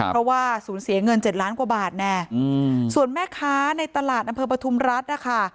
เพราะว่าสูญเสียเงิน๗ล้านกว่าบาทแน่ส่วนแม่ค้าในตลาดอำเภอปฐุมรัฐนะคะ